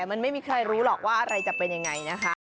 มันไม่มีใครรู้หรอกว่าอะไรจะเป็นยังไงนะคะ